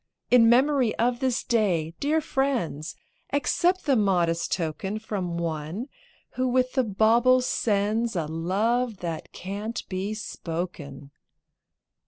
In memory of this Day, dear friends, Accept the modest token From one who with the bauble sends A love that can't be spoken.